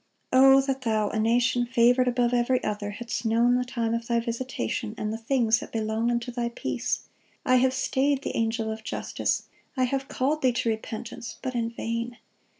'(21) O that thou, a nation favored above every other, hadst known the time of thy visitation, and the things that belong unto thy peace! I have stayed the angel of justice, I have called thee to repentance, but in vain.